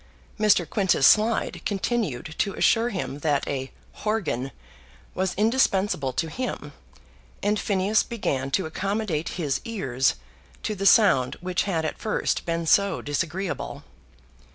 Mr. Quintus Slide continued to assure him that a "horgan" was indispensable to him, and Phineas began to accommodate his ears to the sound which had at first been so disagreeable.